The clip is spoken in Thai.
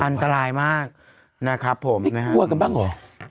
อันตรายมากนะครับผมกลัวกันบ้างเหรอ